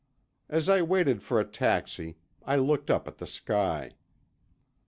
As I waited for a taxi, I looked up at the sky.